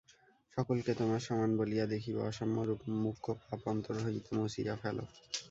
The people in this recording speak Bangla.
সকলকে তোমার সমান বলিয়া দেখিবে, অসাম্য-রূপ মুখ্য পাপ অন্তর হইতে মুছিয়া ফেল।